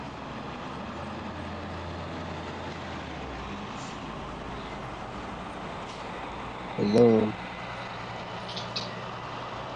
They lost in the first round to Loyola.